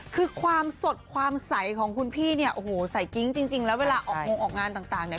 คือความสดความใสของคุณพี่เนี่ยโอ้โหใส่กิ๊งจริงแล้วเวลาออกงงออกงานต่างเนี่ย